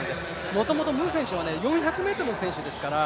もともとムー選手は４００ｍの選手ですからね。